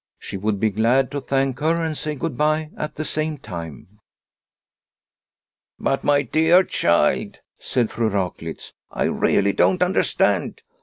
She would be glad to thank her and say good bye at the same time. " But, my dear child," said Fru Raklitz, " I really don't understand.